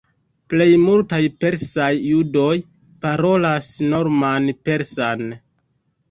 Plej multaj persaj judoj parolas norman persan.